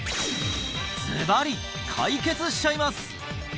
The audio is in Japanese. ズバリ解決しちゃいます！